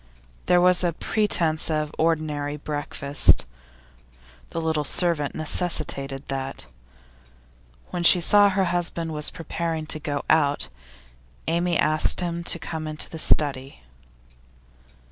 There was a pretence of ordinary breakfast; the little servant necessitated that. When she saw her husband preparing to go out, Amy asked him to come into the study.